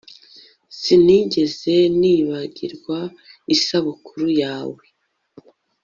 Sinigeze nibagirwa isabukuru ya we